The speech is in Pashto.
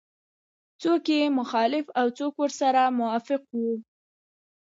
څوک یې مخالف او څوک ورسره موافق وو.